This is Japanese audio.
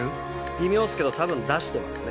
微妙っすけど多分出してますね。